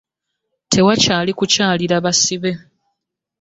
Tewakyali kukyalira basibe.